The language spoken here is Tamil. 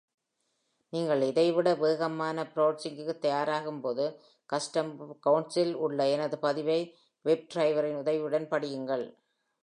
நீங்கள் இதைவிட வேகமான பிரவுசிங்கிற்குத் தயாராகும் போது, கஸ்டம் வெப் கமெண்ட்ஸ்சில் உள்ள எனது பதிவை வெப்டிரைவரின் உதவியுடன் படியுங்கள்.